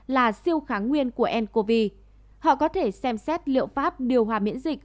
là siêu kháng nguyên của ncov họ có thể xem xét liệu pháp điều hòa miễn dịch